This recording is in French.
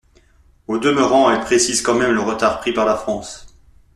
Au demeurant, elles précisent quand même le retard pris par la France.